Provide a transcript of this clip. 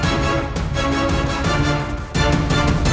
alhamdulillah ya biar rambit